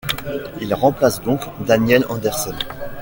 Il remplace donc Daniel Anderson.